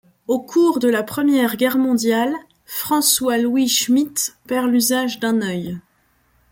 Au cours de la Première Guerre mondiale, François-Louis Schmied perd l'usage d'un œil.